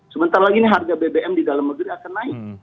sebentar lagi ini harga bbm di dalam negeri akan naik